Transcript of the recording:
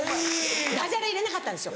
ダジャレ入れなかったんですよ